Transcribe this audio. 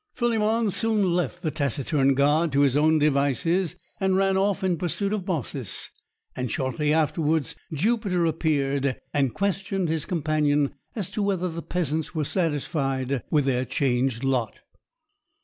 Philemon soon left the taciturn god to his own devices, and ran off in pursuit of Baucis; and shortly afterwards Jupiter appeared, and questioned his companion as to whether the peasants were satisfied with their changed lot.